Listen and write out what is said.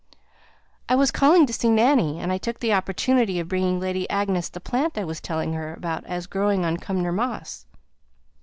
"I was calling to see Nanny, and I took the opportunity of bringing Lady Agnes the plant I was telling her about as growing on Cumnor Moss."